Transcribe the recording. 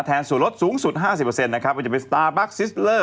สู่ลดสูงสุด๕๐นะครับว่าจะเป็นสตาร์บัคซิสเลอร์